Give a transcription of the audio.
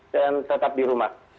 dan tetap di rumah